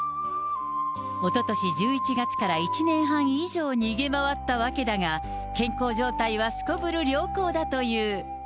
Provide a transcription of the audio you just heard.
おととし１１月から１年半以上逃げ回ったわけだが、健康状態はすこぶる良好だという。